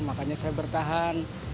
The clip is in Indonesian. makanya saya bertahan